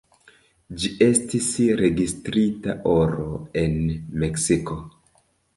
Ĝi estis registrita oro en Meksiko.